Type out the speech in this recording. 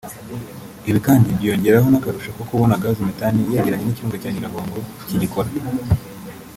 Ibi kandi byiyongeraho n’akarusho ko kubona gaz methane yegeranye n’ikirunga cya Nyiragongo kigikora